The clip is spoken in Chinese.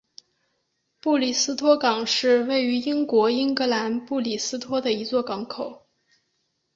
布里斯托港是位于英国英格兰布里斯托的一座港口。